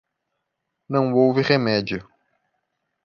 Não houve remédio.